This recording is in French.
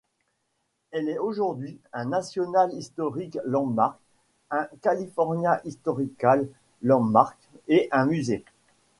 Elle est aujourd'hui un National Historic Landmark, un California Historical Landmark et un musée.